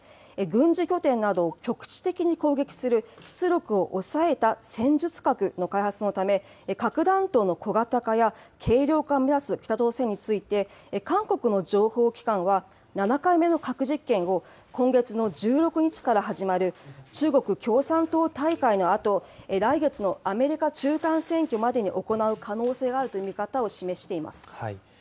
軍事拠点など局地的に攻撃する、出力を抑えた戦術核の開発のため、核弾頭の小型化や、軽量化を目指す北朝鮮について、韓国の情報機関は、７回目の核実験を、今月の１６日から始まる中国共産党大会のあと、来月のアメリカ中間選挙までに行う可能性があるという見方を示しています。